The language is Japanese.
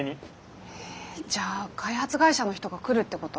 えじゃあ開発会社の人が来るってこと？